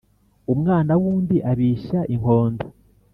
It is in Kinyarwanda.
Umwana wundi abishya inkonda